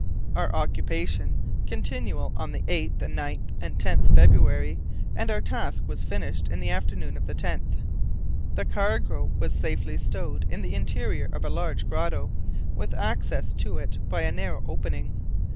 Our occupation continued on the 8th, 9th, and 10th February, and our task was finished in the afternoon of the 10th. The cargo was safely stowed in the interior of a large grotto, with access to it by a narrow opening.